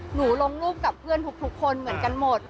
ลงรูปกับเพื่อนทุกคนเหมือนกันหมด